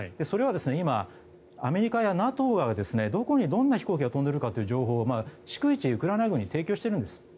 それは今、アメリカやＮＡＴＯがどこにどんな飛行機が飛んでいるのかという情報を逐一ウクライナ軍に提供しているんです。